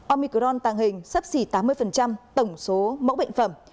omicron tàng hình sấp xỉ tám mươi tổng số mẫu bệnh phẩm